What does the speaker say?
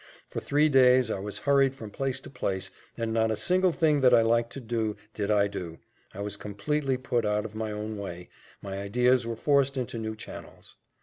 For three days I was hurried from place to place, and not a single thing that I liked to do did I do I was completely put out of my own way my ideas were forced into new channels.